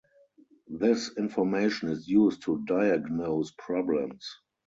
This information is used to diagnose problems.